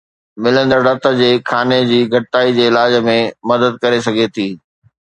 ملندڙ رت جي خاني جي گھٽتائي جي علاج ۾ مدد ڪري سگھي ٿي